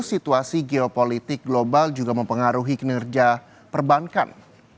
situasi geopolitik global juga mempengaruhi kinerja perbankan